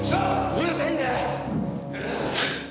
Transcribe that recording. うるせえんだよ！